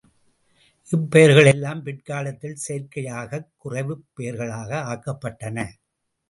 இப்பெயர்கள் எல்லாம் பிற்காலத்தில் செயற்கையாகக் குறைவுப் பெயர்களாக ஆக்கப்பட்டன.